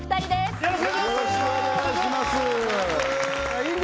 よろしくお願いします